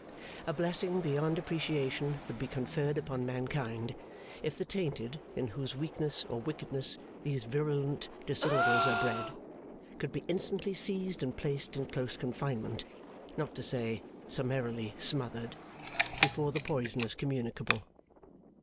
A blessing beyond appreciation would be conferred upon mankind, if the tainted, in whose weakness or wickedness these virulent disorders are bred, could be instantly seized and placed in close confinement (not to say summarily smothered) before the poison is communicable.